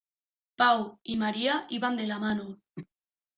Pau y María iban de la mano.